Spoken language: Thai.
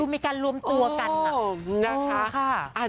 มีการรวมตัวกัน